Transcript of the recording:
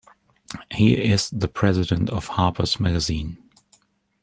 He is the president of "Harper's Magazine".